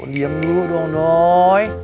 diam dulu dong doy